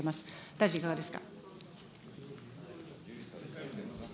大臣、いかがですか。